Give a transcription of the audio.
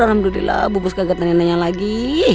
alhamdulillah bu bos kagetan yang nanya lagi